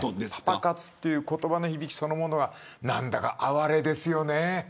パパ活という言葉の響きそのものが何だか哀れですよね。